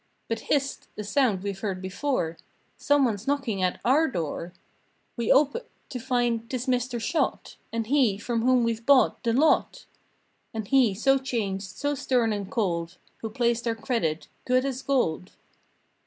But hist 1 a sound we've heard before 1 Some one's knocking at our door! We ope—to find 'tis Mr. Shott And he, from whom we bought (?) the lot And he, so changed, so stern and cold Who placed our credit—"Good as Gold!"